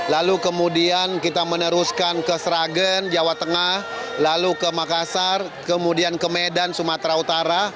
lalu kemudian kita meneruskan ke sragen jawa tengah lalu ke makassar kemudian ke medan sumatera utara